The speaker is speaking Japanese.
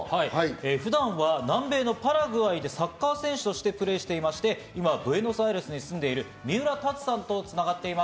普段、南米のパラグアイでサッカー選手としてプレーしてまして今、ブエノスアイレスに住んでいる三浦立さんと繋がっています。